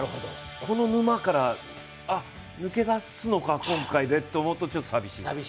この沼から、あ、抜け出すのか今回で、と思うとちょっと寂しいです。